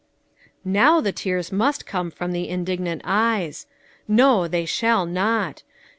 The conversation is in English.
Now the tears must come from the indignant eyes. No, they shall not.